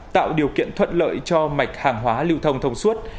tạo điều kiện thuận lợi cho mạch hàng hóa lưu thông thông suốt